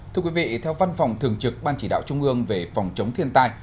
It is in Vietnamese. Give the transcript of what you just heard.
thưa quý vị theo văn phòng thường trực ban chỉ đạo trung ương về phòng chống thiên tai